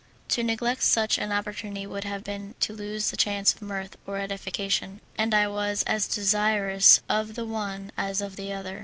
To neglect such an opportunity would have been to lose the chance of mirth or edification, and I was as desirous of the one as of the other.